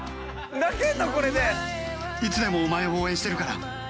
いつでもお前を応援してるから